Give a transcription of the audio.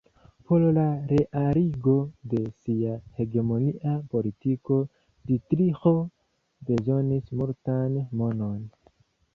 Por la realigo de sia hegemonia politiko Ditriĥo bezonis multan monon.